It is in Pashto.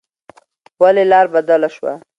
ولې لار بدله شوه؟